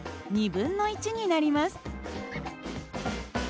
２分の１になります。